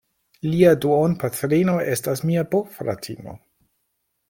Lia duonpatrino estas mia bofratino.